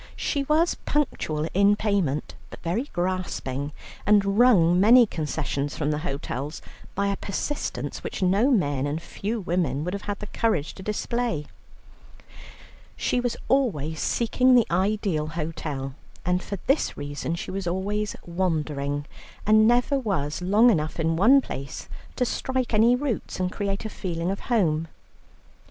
She was punctual in payment, but very grasping, and wrung many concessions from the hotels by a persistence which no men and few women would have had the courage to display. She was always seeking the ideal hotel, and for this reason she was always wandering, and never was long enough in one place to strike any roots and create a feeling of home.